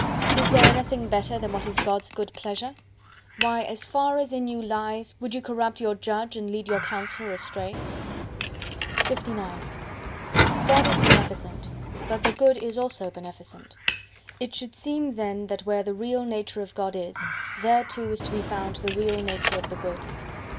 is there anything better than what is God's good pleasure? Why, as far as in you lies, would you corrupt your Judge, and lead your Counsellor astray? LIX God is beneficent. But the Good also is beneficent. It should seem then that where the real nature of God is, there too is to be found the real nature of the Good.